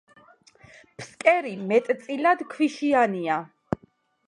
ფსკერი მეტწილად ქვიშიანია.